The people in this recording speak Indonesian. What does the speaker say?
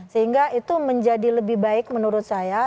sehingga itu menjadi lebih baik menurut saya